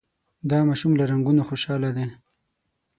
دا ماشوم له رنګونو خوشحاله دی.